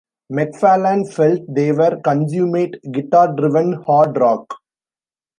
McFarlane felt they were "consummate, guitar-driven, hard rock".